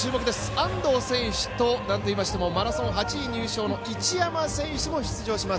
安藤選手となんといいましてせマラソン８位入賞の一山選手も出場します。